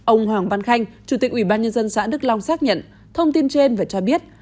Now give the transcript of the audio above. ông hoàng văn khanh chủ tịch ủy ban nhân dân xã đức long xác nhận thông tin trên và cho biết